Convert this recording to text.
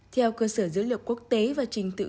theo cơ sở dữ liệu quốc tế và trình tự